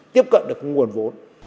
tiếp cận được nguồn vốn